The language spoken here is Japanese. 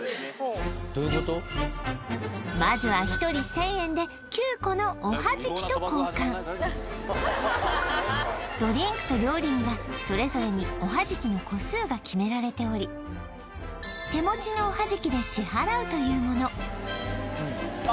まずは１人１０００円で９個のおはじきと交換ドリンクと料理にはそれぞれにおはじきの個数が決められておりというものあ